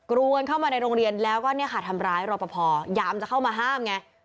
รวมเข้ามาในโรงเรียนแล้วก็เนี่ยค่ะทำร้ายรอปภยามจะเข้ามาห้ามไง